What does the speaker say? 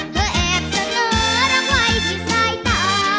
แอบเสนอรักไว้ที่สายตา